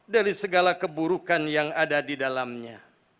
dari segala keburukan yang ada di dalamnya